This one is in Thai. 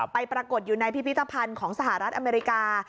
ปรากฏอยู่ในพิพิธภัณฑ์ของสหรัฐอเมริกา